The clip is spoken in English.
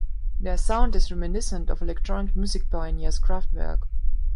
Their sound is reminiscent of electronic music pioneers Kraftwerk.